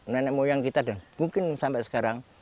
nenek moyang kita dan mungkin sampai sekarang